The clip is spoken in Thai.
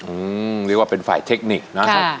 เรียกว่าเป็นฝ่ายเทคนิคนะครับ